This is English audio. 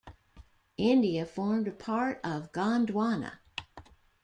India formed a part of Gondwana.